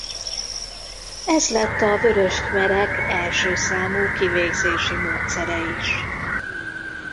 Ez lett a vörös khmerek első számú kivégzési módszere is.